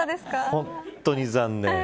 本当に残念。